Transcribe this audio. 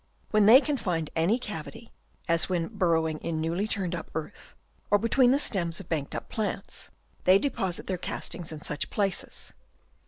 When they can find any cavity, as when burrowing in newly turned up earth, or between the stems of banked up plants, they deposit their castings in such places.